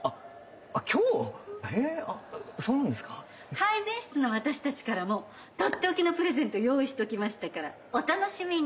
配膳室の私たちからもとっておきのプレゼント用意しときましたからお楽しみに。